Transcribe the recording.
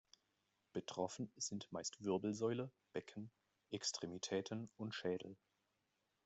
Betroffen sind meist Wirbelsäule, Becken, Extremitäten und Schädel.